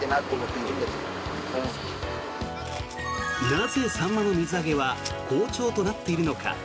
なぜサンマの水揚げは好調となっているのか。